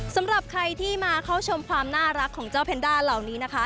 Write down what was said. สำหรับใครที่มาเข้าชมความน่ารักของเจ้าแพนด้าเหล่านี้นะคะ